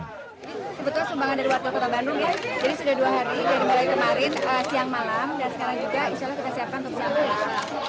ini sebetulnya sumbangan dari warga kota bandung ya jadi sudah dua hari dari mulai kemarin siang malam dan sekarang juga insya allah kita siapkan untuk siang hari